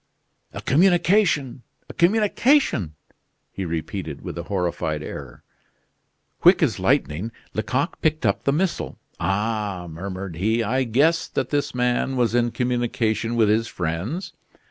"A communication! a communication!" he repeated, with a horrified air. Quick as lightning, Lecoq picked up the missile. "Ah," murmured he, "I guessed that this man was in communication with his friends."